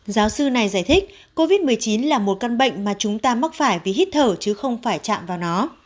giáo sư này giải thích covid một mươi chín là một căn bệnh mà chúng ta mắc phải vì hít thở chứ không phải chạm vào nó